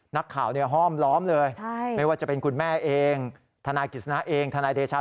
นักข่าวห้อมล้อมเลยไม่ว่าจะเป็นคุณแม่เองทนายกฤษณะเองทนายเดชา